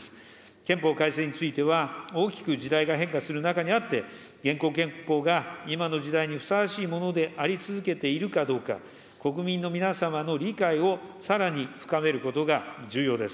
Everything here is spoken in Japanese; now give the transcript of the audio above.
憲法改正については、大きく時代が変化する中にあって、現行憲法が今の時代にふさわしいものであり続けているかどうか、国民の皆様の理解をさらに深めることが重要です。